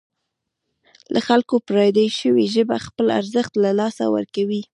له خلکو پردۍ شوې ژبه خپل ارزښت له لاسه ورکوي.